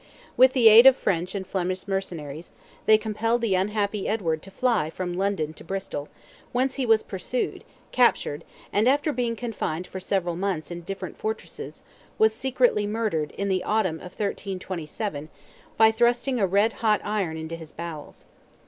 With the aid of French and Flemish mercenaries, they compelled the unhappy Edward to fly from London to Bristol, whence he was pursued, captured, and after being confined for several months in different fortresses, was secretly murdered in the autumn of 1327, by thrusting a red hot iron into his bowels.